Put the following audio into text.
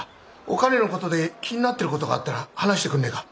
お兼の事で気になってる事があったら話してくんねえか。